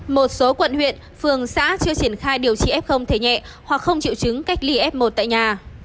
một số quận huyện phường xã chưa triển khai điều trị f thể nhẹ hoặc không chịu chứng cách ly f một tại nhà